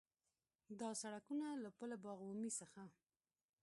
دا سړکونه له پُل باغ عمومي څخه